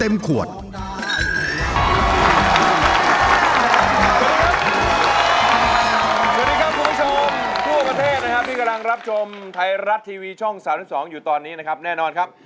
สวัสดีครับคุณผู้ชมทั่วประเทศนะครับที่กำลังรับชมไทยรัฐทีวีช่อง๓๒อยู่ตอนนี้นะครับแน่นอนครับ